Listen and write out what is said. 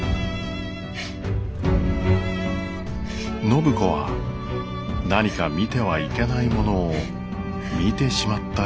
・暢子は何か見てはいけないものを見てしまったような気がしました。